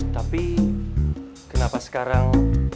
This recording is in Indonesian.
tapi kenapa sekarang